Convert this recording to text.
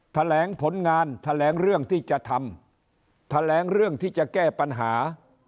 แถลงผลงานแถลงเรื่องที่จะทำแถลงเรื่องที่จะแก้ปัญหา